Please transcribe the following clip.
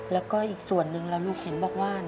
แล้วก็อีกส่วนหนึ่งแล้วลูกเห็นบอกว่า